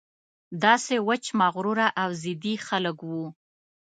داسې وچ مغروره او ضدي خلک وو.